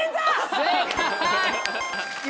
正解。